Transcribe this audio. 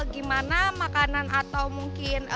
gimana makanan atau mungkin